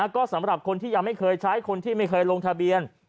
ก็สำหรับคนที่ยังไม่เคยใช้คนที่ไม่เคยลงทะเบียน